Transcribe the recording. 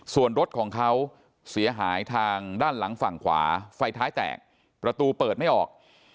ส่วนรถของเขาเสียหายทางด้านหลังฝั่งขวาไฟท้ายแตกประตูเปิดไม่ออก